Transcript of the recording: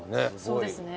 そうですね